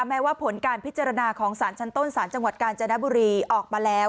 แม้ว่าผลการพิจารณาของสารชั้นต้นสารจังหวัดกาญจนบุรีออกมาแล้ว